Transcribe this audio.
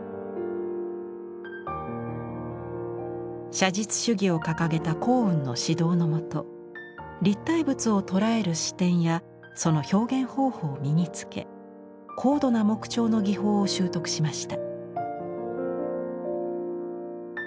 写実主義を掲げた光雲の指導のもと立体物を捉える視点やその表現方法を身につけ高度な木彫の技法を習得しました。